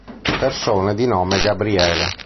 Persone di nome Gabriele